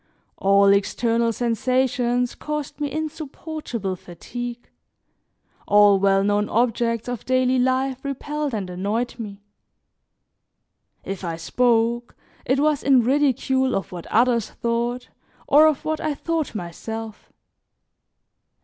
All external sensations caused me insupportable fatigue, all well known objects of daily life repelled and annoyed me; if I spoke, it was in ridicule of what others thought or of what I thought myself.